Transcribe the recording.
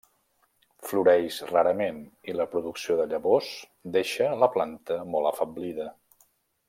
Floreix rarament, i la producció de llavors deixa la planta molt afeblida.